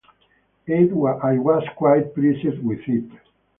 I was quite pleased with it.